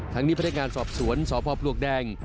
ทั้งนี้พนักงานสอบสวนสพปลวกแดง